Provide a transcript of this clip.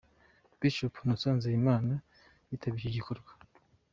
Bishop Innocent Nzeyimana yitabiriye iki gikorwa.